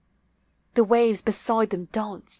The waves beside theni danced.